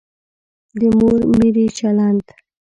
د مور میرې چلند.